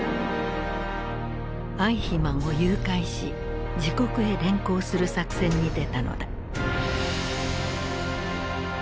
アイヒマンを誘拐し自国へ連行する作戦に出たのだ。